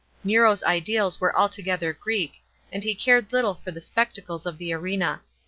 Nero's ideals were altogether Greek, and i.e cared little for the spectacles of the arena.